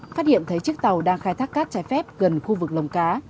phát hiện thấy chiếc tàu đang khai thác cát trái phép gần khu vực lồng cá